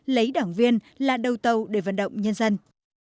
lấy đảng viên là đầu tàu để vận động nhân dân